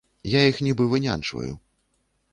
Я іх нібы вынянчваю.